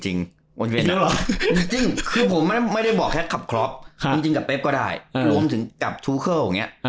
จริงคือผมไม่ได้บอกแค่ขับครอปจริงกับเป๊บก็ได้รวมถึงกับทูเคิลอย่างนี้